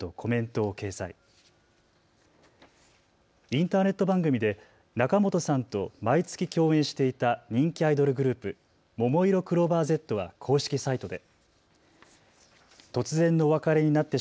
インターネット番組で仲本さんと毎月、共演していた人気アイドルグループ、ももいろクローバーＺは公式サイトで。